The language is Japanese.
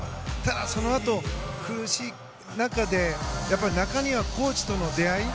そのあと苦しい中で中庭コーチとの出会い。